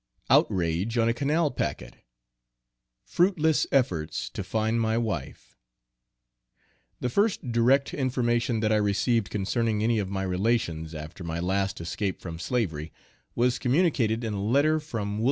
Outrage on a canal packet. Fruitless efforts to find my wife._ The first direct information that I received concerning any of my relations, after my last escape from slavery, was communicated in a letter from Wm.